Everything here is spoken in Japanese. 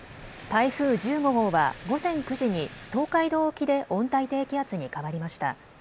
台風１５号は午前９時に東海道沖で温帯低気圧に変わりました。